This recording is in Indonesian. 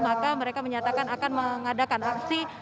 maka mereka menyatakan akan mengadakan aksi